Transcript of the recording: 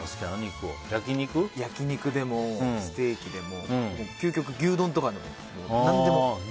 焼き肉でもステーキでも究極牛丼とかでも何でも。